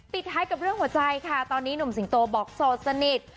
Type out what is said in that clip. ท้ายกับเรื่องหัวใจค่ะตอนนี้หนุ่มสิงโตบอกโสดสนิท